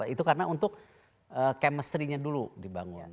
itu karena untuk chemistrynya dulu dibangun